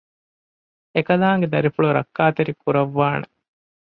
އެކަލާނގެ ދަރިފުޅު ރައްކާތެރި ކުރައްވާނެ